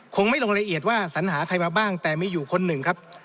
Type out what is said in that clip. คงไม่ลงละเอียดว่าสัญหาใครมาบ้างแต่มีอยู่คนหนึ่งครับ